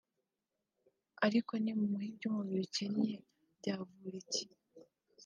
ariko ntimumuhe ibyo umubiri ukennye byavura iki